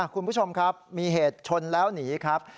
คุณผู้ชมครับมีเหตุชนแล้วหนีครับ